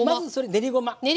練りごま。